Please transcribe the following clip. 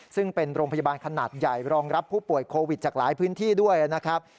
ซึ่งเป็นโรงพยาบาลขนาดใหญ่รองรับผู้ป่วยโควิดจากหลายพื้นที่ด้วยนะครับ